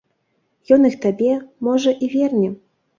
Ён іх табе, можа, і верне.